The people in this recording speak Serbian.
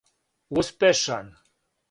успешан